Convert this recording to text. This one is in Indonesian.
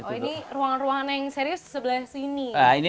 oh ini ruangan ruangan yang serius sebelah sini